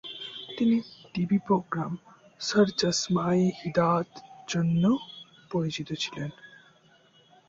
তিনি TV programme সর চশমা-ই-হিদায়াত জন্যও পরিচিত ছিলেন।